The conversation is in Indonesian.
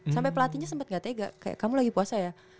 sampai pelatihnya sempat gak tega kayak kamu lagi puasa ya